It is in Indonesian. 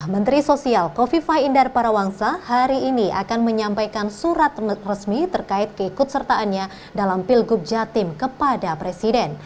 menteri sosial kofi fai indar parawangsa hari ini akan menyampaikan surat resmi terkait keikutsertaannya dalam pilgub jatim kepada presiden